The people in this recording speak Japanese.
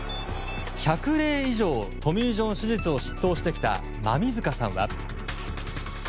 １００例以上トミー・ジョン手術を執刀してきた馬見塚さんは。